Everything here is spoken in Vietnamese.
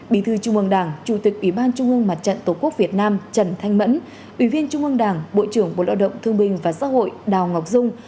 bí thư trung ương đảng chủ tịch ủy ban trung ương mặt trận tổ quốc việt nam trần thanh mẫn ủy viên trung ương đảng bộ trưởng bộ lao động thương bình và xã hội đào ngọc dung